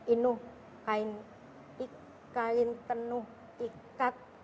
inuh kain penuh ikat